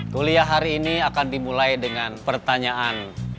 kuliah hari ini akan dimulai dengan pertanyaan